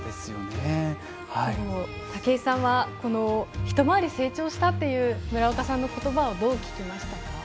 武井さんはひと回り成長したという村岡さんの言葉をどう聞きましたか。